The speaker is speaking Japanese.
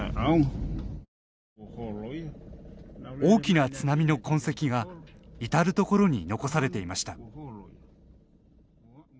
大きな津波の痕跡が至る所に残されていました。